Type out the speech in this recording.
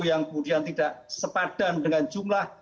yang kemudian tidak sepadan dengan jumlah